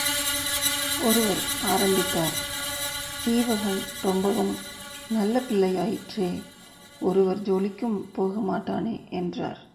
ஒருவர் ஆரம்பித்தார், சீவகன் ரொம்பவும் நல்ல பிள்ளையாயிற்றே ஒருவர் ஜோலிக்கும் போகமாட்டானே என்றார்.